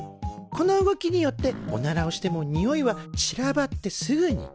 この動きによっておならをしてもにおいは散らばってすぐに消える。